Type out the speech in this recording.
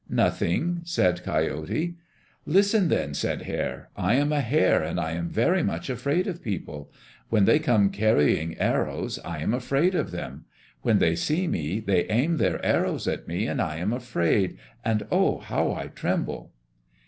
"Nothing," said Coyote. "Listen, then," said Hare. "I am a hare and I am very much afraid of people. When they come carrying arrows, I am afraid of them. When they see me they aim their arrows at me and I am afraid, and oh! how I tremble!"